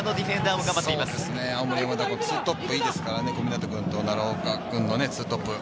青森山田も２トップがいいですからね、小湊君と奈良岡君の２トップ。